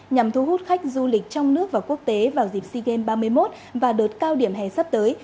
nhằm thu hút khách du lịch trong nước và quốc tế vào dịp sea games ba mươi một và đợt cao điểm hè sắp tới